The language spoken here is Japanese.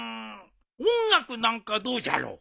音楽なんかどうじゃろう？